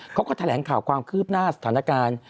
เขาก็แถลงข่าวความคืบหน้าสถานการณ์